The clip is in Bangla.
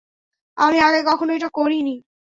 আমি আগে কখনো এটা করিনি।